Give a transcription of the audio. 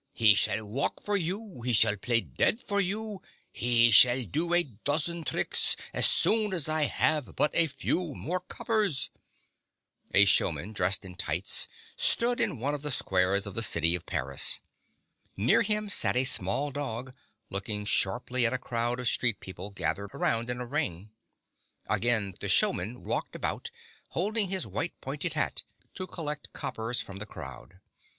He shall walk for you, he shall play dead for you, he shall do a dozen tricks so soon as I have but a few more coppers !" A showman, dressed in tights, stood in one of the squares of the city of Paris. Near him sat a small dog, looking sharply at a crowd of street people gathered around in a ring. Again the showman walked about, holding his white, pointed hat to collect coppers from the crowd.